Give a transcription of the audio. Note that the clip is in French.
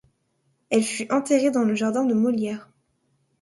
Elle fut enterrée dans le jardin de Molière.